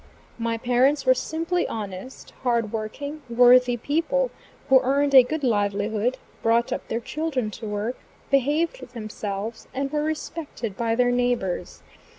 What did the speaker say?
My parents were simply honest, hard working, worthy people, who earned a good livelihood, brought up their children to work, behaved themselves, and were respected by their neighbors.